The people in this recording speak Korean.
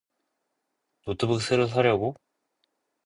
노트북 새로 사려고?